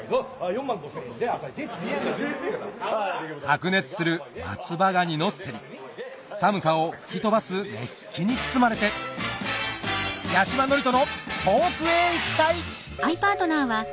白熱する松葉ガニの競り寒さを吹き飛ばす熱気に包まれて八嶋智人の『遠くへ行きたい』！